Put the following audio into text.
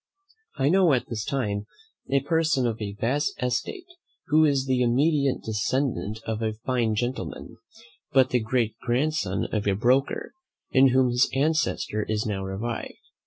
I know at this time a person of a vast estate, who is the immediate descendant of a fine gentleman, but the great grandson of a broker, in whom his ancestor is now revived.